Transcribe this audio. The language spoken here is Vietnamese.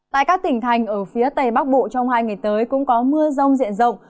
tại các tỉnh thành ở phía tây bắc bộ trong hai ngày tới cũng có mưa rông diện rộng